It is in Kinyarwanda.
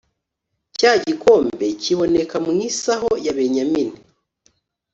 Cya gikombe kiboneka mu isaho ya benyamini